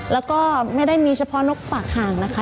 แล้วก็ไม่ได้มีเฉพาะนกปากห่างนะคะ